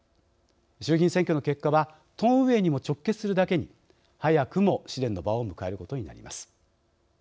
衆議院選挙の結果は党運営にも直結するだけに早くも試練の場を迎えることになります。